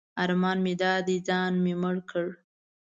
ارمان مې دا دی ځان مې مړ کړ.